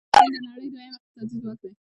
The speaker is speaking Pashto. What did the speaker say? چین د نړۍ دویم اقتصادي ځواک دی.